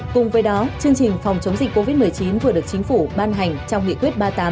cùng với đó chương trình phòng chống dịch covid một mươi chín vừa được chính phủ ban hành trong nghị quyết ba mươi tám